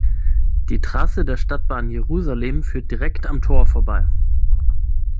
Die Trasse der Stadtbahn Jerusalem führt direkt am Tor vorbei.